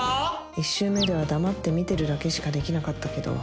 １週目では黙って見てるだけしかできなかったけど